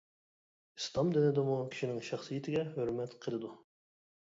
ئىسلام دىنىدىمۇ كىشىنىڭ شەخسىيىتىگە ھۆرمەت قىلىدۇ.